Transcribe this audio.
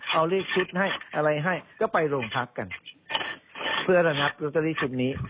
เอาเลขชุดให้อะไรให้ก็ไปโรงพักกันเพื่อระงับลอตเตอรี่ชุดนี้